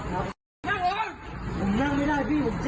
เห็นเขาจอยพี่เขาจอย